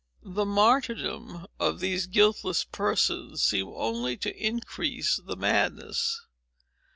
The martyrdom of these guiltless persons seemed only to increase the madness.